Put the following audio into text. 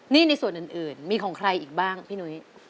นี่ในส่วนอื่นมีของใครอีกบ้างพี่หนุ้ย